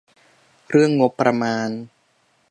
เรื่องงบประมาณ